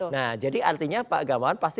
nah jadi artinya pak gamawan pasti